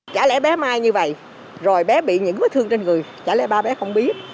trả lẽ bé mai như vậy rồi bé bị những vết thương trên người trả lẽ ba bé không biết